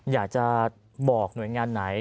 อยากจะบอกหน่วยงานไหน